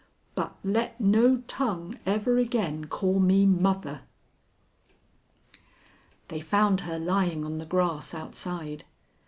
But let no tongue ever again call me mother.' "They found her lying on the grass outside.